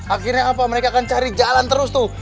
akhirnya apa mereka akan cari jalan terus tuh